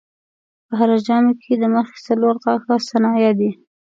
په هره ژامه کې د مخې څلور غاښه ثنایا دي.